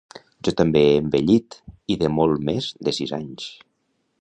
Jo també he envellit, i de molt més de sis anys.